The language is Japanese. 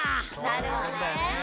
なるほどね。